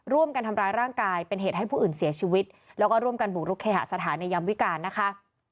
ร่วมกันทำร้ายร่างกายเป็นเหตุให้ผู้อื่นเสียชีวิตแล้วก็ร่วมกันบุกรุกเคหสถานในยามวิการนะคะ